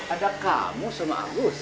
ada kamu sama agus